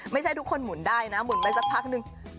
ไม่ใช่ทุกคนหมุนได้นะหมุนไปสักพักนึง